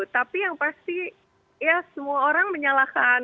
tapi yang pasti ya semua orang menyalahkan